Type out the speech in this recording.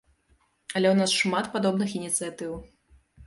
Але ў нас шмат падобных ініцыятыў.